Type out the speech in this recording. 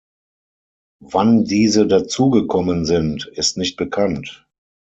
Wann diese dazugekommen sind, ist nicht bekannt.